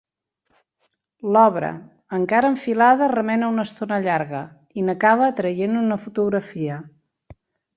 L'obre, encara enfilada, remena una estona llarga, i n'acaba traient una fotografia.